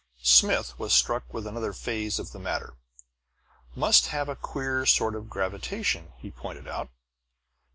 Smith was struck with another phase of the matter. "Must have a queer sort of gravitation," he pointed out.